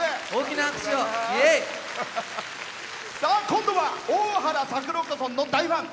今度は大原櫻子さんの大ファン。